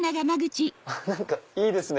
何かいいですね